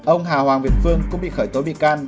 ông hà hoàng việt phương cũng bị khởi tố bị can